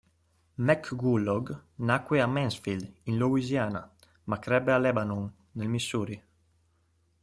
McCullough nacque a Mansfield, in Louisiana, ma crebbe a Lebanon, nel Missouri.